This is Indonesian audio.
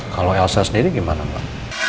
kalau elsa sendiri gimana mbak